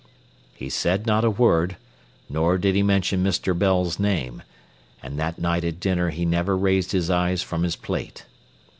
He said not a word, nor did he mention Mr. Bell's name, and that night at supper he never raised his eyes from his plate.